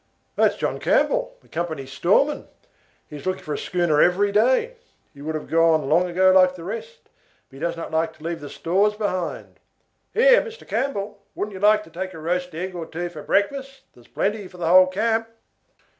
"That's John Campbell, the company's storeman. He is looking for a schooner every day. He would have gone long ago like the rest, but he does not like to leave the stores behind. Here, Mr. Campbell, wouldn't you like to take a roast egg or two for breakfast? There's plenty for the whole camp."